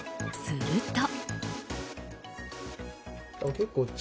すると。